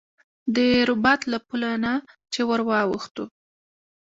د رباط له پله نه چې ور واوښتو.